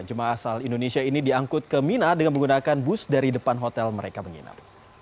jemaah asal indonesia ini diangkut ke mina dengan menggunakan bus dari depan hotel mereka menginap